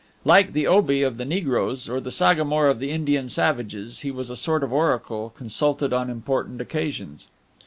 Like the Obi of the Negroes, or the Sagamore of the Indian savages, he was a sort of oracle, consulted on important occasions.